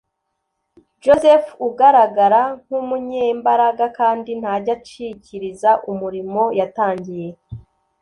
Joseph ugaragara nk’umunyembaraga kandi ntajya acikiriza umurimo yatangiye